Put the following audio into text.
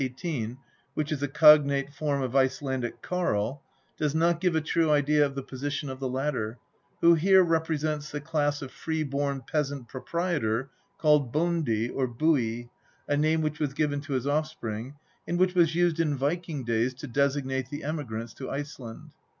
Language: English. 18, which is a cognate form of Icelandic " Karl," does not give a true idea of the position of the latter, who here represents the class of free born peasant proprietor called " bondi " or " bui," a name which was given to his offspring, and which was used in Viking days to designate the emigrants to Iceland.